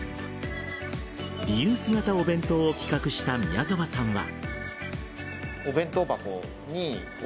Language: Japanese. リユース型お弁当を企画した宮澤さんは。